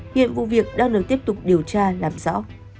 hiện vụ việc đang được tiếp tục điều tra làm rõ